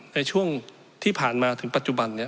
ในช่วงที่ผ่านมาถึงปัจจุบันนี้